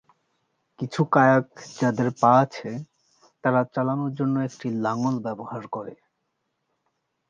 কিছু কায়াক যাদের পা আছে তারা চালানোর জন্য একটি লাঙল ব্যবহার করে।